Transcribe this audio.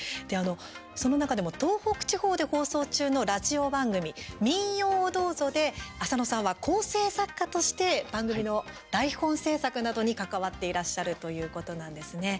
その中でも東北地方で放送中のラジオ番組「民謡をどうぞ」で浅野さんは構成作家として番組の台本制作などに関わっていらっしゃるということなんですね。